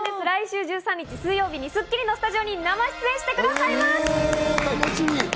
来週１３日、水曜日に『スッキリ』のスタジオに生出演してくれます。